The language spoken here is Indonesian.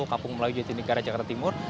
kampung melayu jatinegara jakarta timur